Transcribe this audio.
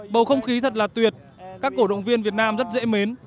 bầu không khí thật là tuyệt các cổ động viên việt nam rất dễ mến